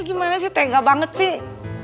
gimana sih tega banget sih